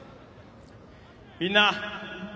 みんな！